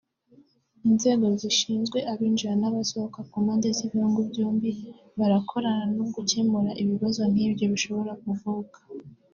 Inzego zishinzwe abinjira n’abasohoka (ku mpande z’ibihugu byombi) barakorana mu gukemura ibibazo nk’ibyo bishobora kuvuka